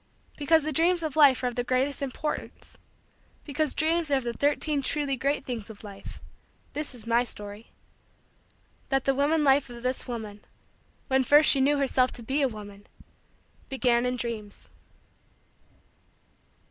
Because the dreams of life are of the greatest importance because Dreams are of the Thirteen Truly Great Things of Life this is my story: that the woman life of this woman, when first she knew herself to be a woman, began in dreams.